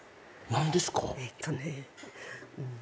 えっとねん